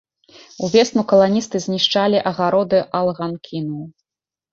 Увесну каланісты знішчалі агароды алганкінаў.